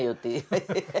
ハハハハ！